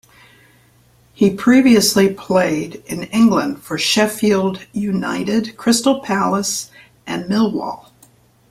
He previously played in England for Sheffield United, Crystal Palace and Millwall.